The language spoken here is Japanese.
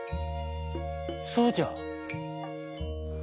そうじゃ。